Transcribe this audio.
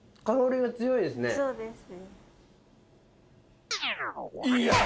そうですね。